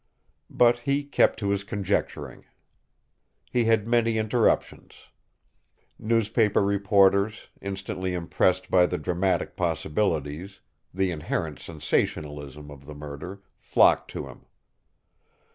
But he kept to his conjecturing. He had many interruptions. Newspaper reporters, instantly impressed by the dramatic possibilities, the inherent sensationalism, of the murder, flocked to him.